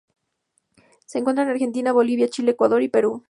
Se encuentra en Argentina, Bolivia, Chile, Ecuador y Perú.